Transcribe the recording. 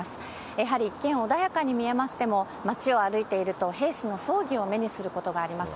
やはり一見穏やかに見えましても、街を歩いていると、兵士の葬儀を目にすることがあります。